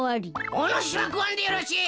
おぬしはくわんでよろしい！